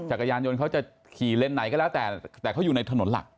จักรยานยนต์เขาจะขี่เลนส์ไหนก็แล้วแต่แต่เขาอยู่ในถนนหลัก